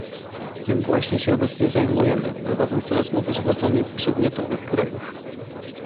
Tym właśnie się obecnie zajmujemy, prowadząc rozmowy z władzami przedmiotowych krajów